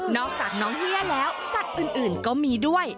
อกจากน้องเฮียแล้วสัตว์อื่นก็มีด้วย